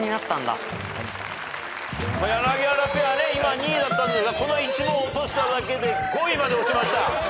柳原ペア今２位だったんですがこの１問落としただけで５位まで落ちました。